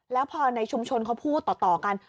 แล้วพอในชุมชนเขาพูดต่อกัน